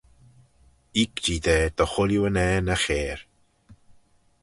Eeck-jee da dy chooilley unnane e chair.